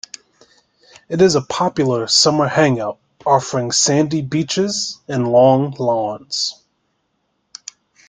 It is a popular summer hang-out offering sandy beaches and long lawns.